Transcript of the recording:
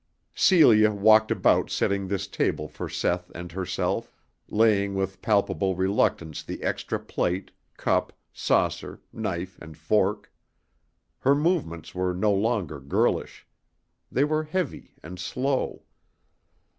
Celia walked about setting this table for Seth and herself, laying with palpable reluctance the extra plate, cup, saucer, knife and fork. Her movements were no longer girlish. They were heavy and slow.